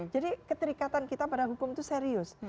jadi keterikatan kita pada hukum itu serius